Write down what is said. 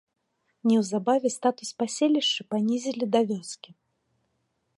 Неўзабаве статус паселішча панізілі да вёскі.